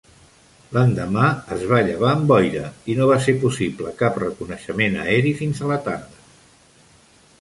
L'endemà es va llevar amb boira i no va ser possible cap reconeixement aeri fins a la tarda.